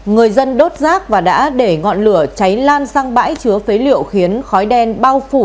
người dân đốt rác và đã để ngọn lửa cháy lan sang bãi chứa phế liệu khiến khói đen bao phủ